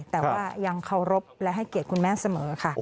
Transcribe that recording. แต่ว่ายังเคารพและให้เกียรติคุณแม่เสมอค่ะ